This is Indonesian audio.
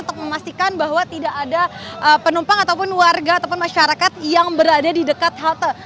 untuk memastikan bahwa tidak ada penumpang ataupun warga ataupun masyarakat yang berada di dekat halte